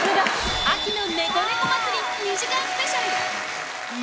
秋のネコネコ祭り２時間スペシャル。